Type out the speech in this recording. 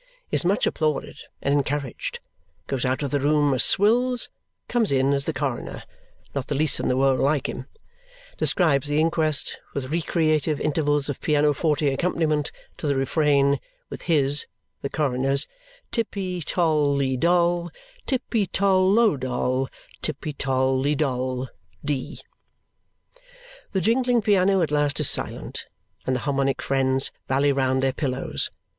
Is much applauded and encouraged; goes out of the room as Swills; comes in as the coroner (not the least in the world like him); describes the inquest, with recreative intervals of piano forte accompaniment, to the refrain: With his (the coroner's) tippy tol li doll, tippy tol lo doll, tippy tol li doll, Dee! The jingling piano at last is silent, and the Harmonic friends rally round their pillows.